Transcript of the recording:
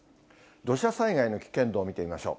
土砂災害の危険度を見てみましょう。